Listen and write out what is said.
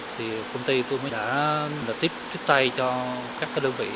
thì công ty tôi mới đã tiếp tay cho các đơn vị cho vay để thực hiện giải ngân các khoản vay không đúng quy định